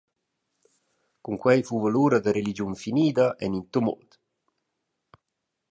Cun quei fuva l’ura de religiun finida en in tumult.